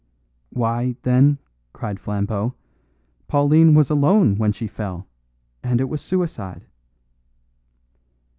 "Why, then," cried Flambeau, "Pauline was alone when she fell, and it was suicide!"